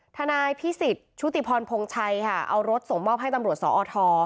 ทนายพิสิทธิ์ชุติพรพงชัยค่ะเอารถส่งมอบให้ตำรวจสอท